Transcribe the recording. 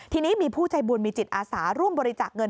ทีนี้มีผู้ใจบุญมีจิตอาสาร่วมบริจาคเงิน